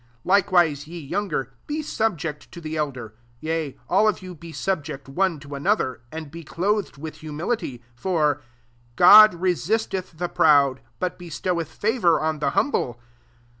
5 Likewise, ye younger, be subject to the elder. Yea, all of you [be subject] one to another, and be clothed with humility : for " God resisteth the proud ; but bestoweth favour on the humble."